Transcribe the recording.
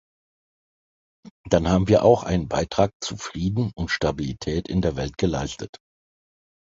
Dann haben wir auch einen Beitrag zu Frieden und Stabilität in der Welt geleistet.